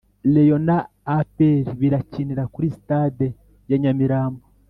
Royon na Apr birakinira kuri stade ya nyamirambo